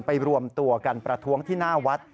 รวมตัวกันประท้วงที่หน้าวัด